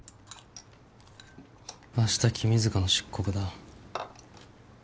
明日君塚の出国だ。